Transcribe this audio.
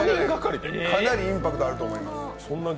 かなりインパクトあると思います。